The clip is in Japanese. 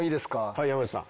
はい山内さん。